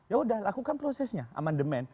ya sudah lakukan prosesnya aman demand